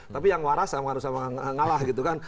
tapi yang waras sama harus sama ngalah gitu kan